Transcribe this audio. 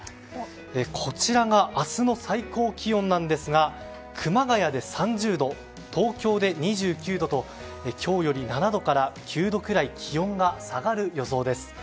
こちらが明日の最高気温なんですが熊谷で３０度、東京で２９度と今日より７度から９度くらい気温が下がる予想です。